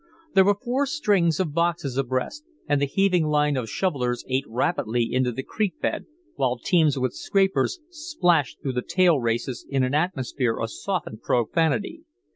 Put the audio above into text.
There were four "strings" of boxes abreast, and the heaving line of shovellers ate rapidly into the creek bed, while teams with scrapers splashed through the tail races in an atmosphere of softened profanity.